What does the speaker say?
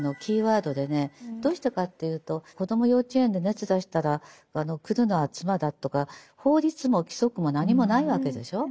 どうしてかっていうと子ども幼稚園で熱出したら来るのは妻だとか法律も規則も何もないわけでしょう。